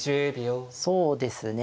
そうですね。